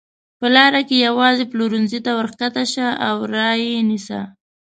په لاره کې یوې پلورنځۍ ته ورکښته شه او را یې نیسه.